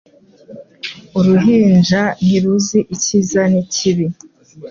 Uruhinja ntiruzi icyiza n'ikibi.